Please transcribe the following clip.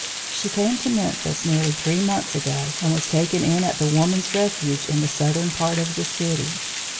She came to Memphis nearly three months ago and was taken in at the Woman's Refuge in the southern part of the city.